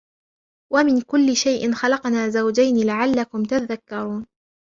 وَمِنْ كُلِّ شَيْءٍ خَلَقْنَا زَوْجَيْنِ لَعَلَّكُمْ تَذَكَّرُونَ